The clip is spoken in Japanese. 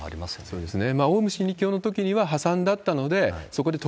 そうですね。